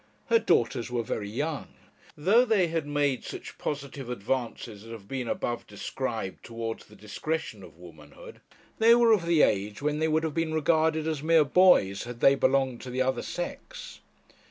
Her daughters were very young; though they had made such positive advances as have been above described towards the discretion of womanhood, they were of the age when they would have been regarded as mere boys had they belonged to the other sex.